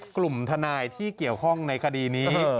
กลุ่มทนายที่เกี่ยวข้องในคดีนี้